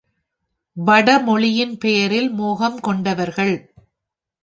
வடமொழிப் பெயரில் மோகம் கொண்டவர்கள்.